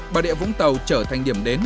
bà địa vũng tàu trở thành điểm đến